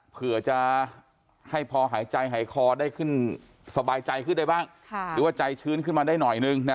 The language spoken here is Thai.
เผื่อจะให้พอหายใจหายคอได้ขึ้นสบายใจขึ้นได้บ้างหรือว่าใจชื้นขึ้นมาได้หน่อยนึงนะ